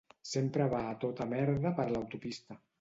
Sempre va a tota merda per l'autopista.